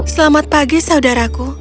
selamat pagi saudaraku